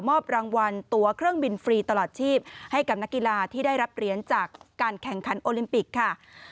รางวัลตัวเครื่องบินฟรีตลอดชีพให้กับนักกีฬาที่ได้รับเหรียญจากการแข่งขันโอลิมปิกค่ะ